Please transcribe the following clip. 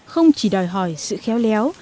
không chỉ đòi hỏi sự khéo léo